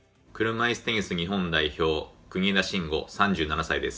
車いすテニス日本代表国枝慎吾、３７歳です。